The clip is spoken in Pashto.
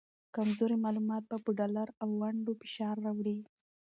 کمزوري معلومات به په ډالر او ونډو فشار راوړي